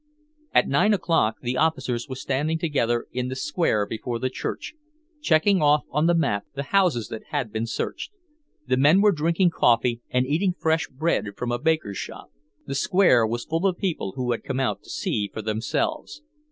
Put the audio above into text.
At nine o'clock the officers were standing together in the square before the church, checking off on the map the houses that had been searched. The men were drinking coffee, and eating fresh bread from a baker's shop. The square was full of people who had come out to see for themselves.